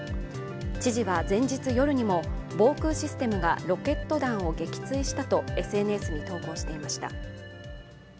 知事は前日夜にも防空システムがロケット弾を撃墜したとＳＮＳに投稿していました。